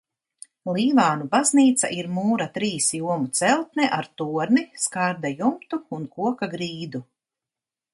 Līvānu baznīca ir mūra trīs jomu celtne ar torni, skārda jumtu un koka grīdu.